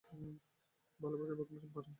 ভালবাসার প্রথম চুম্বনে।